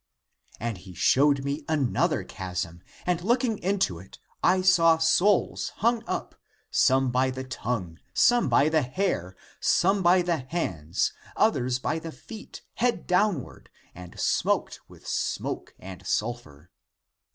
And he showed me another chasm, and looking into it, I saw souls hung up, some by the tongue, some by the hair, some by the hands, others by the feet, head downward, and smoked with smoke and sulphur.